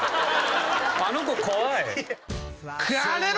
あの子怖い。